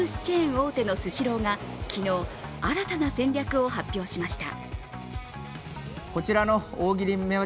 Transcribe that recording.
大手のスシローが昨日新たな戦略を発表しました。